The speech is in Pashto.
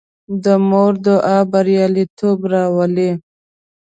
د مور دعا بریالیتوب راولي.